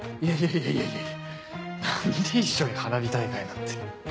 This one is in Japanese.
いやいや何で一緒に花火大会なんて。